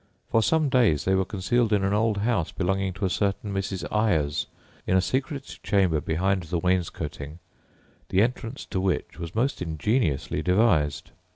For some days they were concealed in an old house belonging to a certain Mrs. Eyers, in a secret chamber behind the wainscoting, the entrance to which was most ingeniously devised.